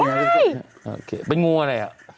โอเคเป็นงูอะไรอ่ะ